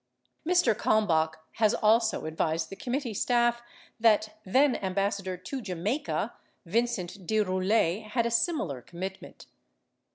Mr. Kalmbach has also ad vised the committee staff that then Ambassador to Jamaica, Vincent de Roulet, had a similar commitment.